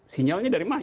sinyalnya dari mana